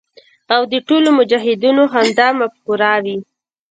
او د ټولو مجاهدینو همدا مفکوره وي.